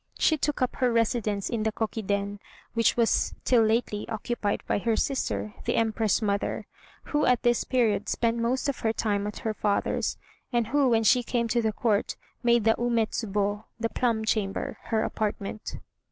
She took up her residence in the Kokiden, which was till lately occupied by her sister, the Empress mother, who at this period spent most of her time at her father's, and who when she came to the Court made the Ume Tsubo (the plum chamber) her apartment.